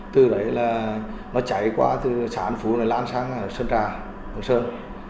từ đấy là nó cháy qua xã an phú rồi lan sang sơn trà hương sơn